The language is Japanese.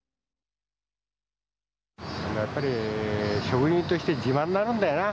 やっぱり職人として自慢になるんだよな。